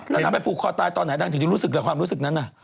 แล้วนางไปผูกคอตายตอนไหนนางถึงจะรู้สึกละความรู้สึกนั้น